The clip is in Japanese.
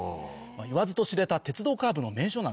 言わずと知れた鉄道カーブの名所なんですが。